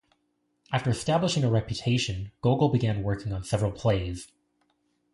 After establishing a reputation, Gogol began working on several plays.